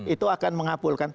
itu akan mengabulkan